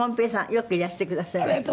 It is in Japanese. よくいらしてくださいました。